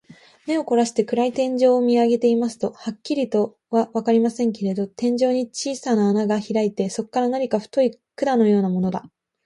目をこらして、暗い天井を見あげていますと、はっきりとはわかりませんけれど、天井に小さな穴がひらいて、そこから何か太い管のようなものが、